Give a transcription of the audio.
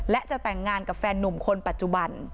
และจะแต่งงานกับแฟนนุ่มคนปัจจุบัน